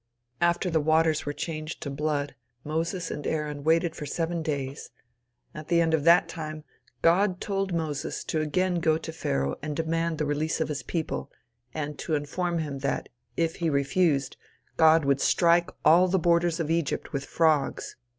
After the waters were changed to blood Moses and Aaron waited for seven days. At the end of that time God told Moses to again go to Pharaoh and demand the release of his people, and to inform him that, if he refused, God would strike all the borders of Egypt with frogs.